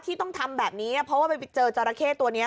ต้องทำแบบนี้เพราะว่าไปเจอจราเข้ตัวนี้